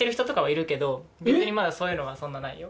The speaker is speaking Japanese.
逆にそういうのはそんなないよ。